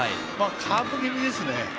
カーブ気味ですね。